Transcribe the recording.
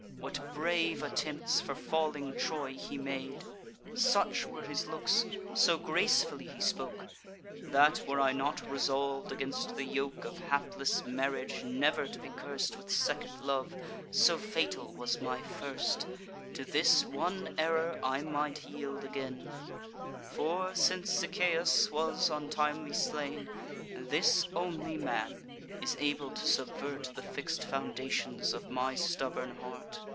What brave attempts for falling Troy he made! Such were his looks, so gracefully he spoke, That, were I not resolv'd against the yoke Of hapless marriage, never to be curst With second love, so fatal was my first, To this one error I might yield again; For, since Sichaeus was untimely slain, This only man is able to subvert The fix'd foundations of my stubborn heart.